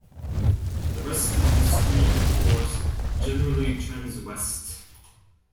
The rest of the stream course generally trends west.